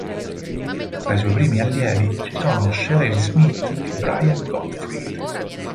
Tra i suoi primi allievi ci sono Sheryl Smith e Brian Gottfried.